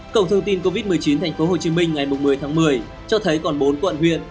cổng thông tin covid một mươi chín thành phố hồ chí minh ngày một mươi tháng một mươi cho thấy còn bốn quận huyện